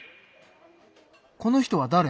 この人はだれ？